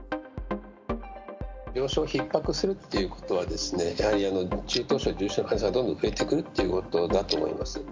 病床ひっ迫するってことはですね、やはり中等症、重症の患者がどんどん増えてくるということだと思います。